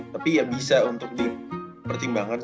tapi ya bisa untuk perting banget